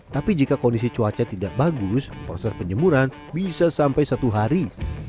tapi jika kondisi cuaca tidak bagus proses penjemuran bisa sampai satu hari